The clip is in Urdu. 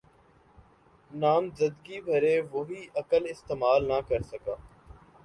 نامزدگی بھرے، وہی عقل استعمال نہ کر سکا۔